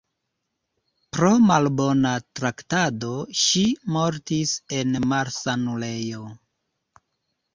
Pro malbona traktado ŝi mortis en malsanulejo.